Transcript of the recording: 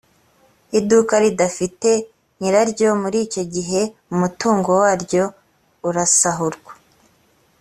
iduka ridafite nyiraryo muri icyo gihe umutungo waryo urasahurwa